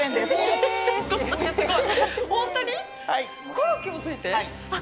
コロッケもついて？